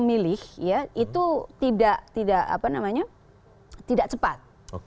iya itu tidak cepat